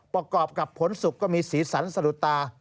ประกอบกับผลสุกก็มีสีสันสะดุดตา